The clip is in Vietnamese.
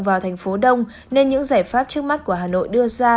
vào thành phố đông nên những giải pháp trước mắt của hà nội đưa ra